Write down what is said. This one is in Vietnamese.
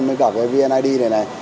với cả cái vneid này này